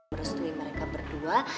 beristui mereka berdua